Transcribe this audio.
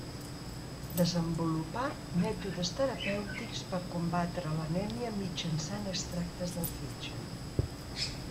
Desenvolupà mètodes terapèutics per combatre l'anèmia mitjançant extractes del fetge.